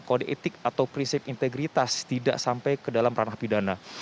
kode etik atau prinsip integritas tidak sampai ke dalam ranah pidana